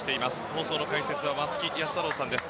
放送の解説は松木安太郎さんです。